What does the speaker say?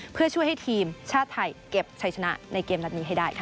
เพื่อช่วยให้ทีมชาติไทยเก็บชัยชนะในเกมนัดนี้ให้ได้ค่ะ